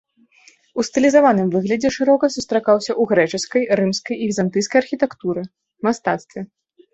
У стылізаваным выглядзе шырока сустракаўся ў грэчаскай, рымскай і візантыйскай архітэктуры, мастацтве.